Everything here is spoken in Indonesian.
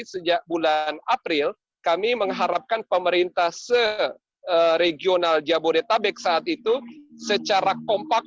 sejak bulan april kami mengharapkan pemerintah seregional jabodetabek saat itu secara kompak